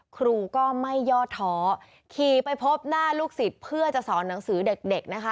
ครูก็ไม่ยอดท้อขี่ไปพบหน้าลูกศิษย์เพื่อจะสอนหนังสือเด็กเด็กนะคะ